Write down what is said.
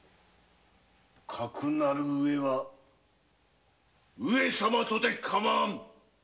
かくなる上は上様とて構わん。